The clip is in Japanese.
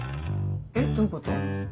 えっどういうこと？